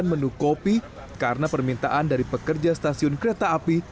menu kopi karena permintaan dari pekerja stasiun kereta api